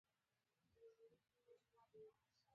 د ګردو دوه پينځوس ورقو حساب به نيسې.